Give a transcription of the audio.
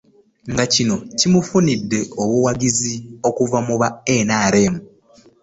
Nga kino kimufunidde obuwagizi okuva mu ba NRM.